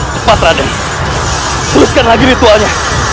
teruskan lagi ritualnya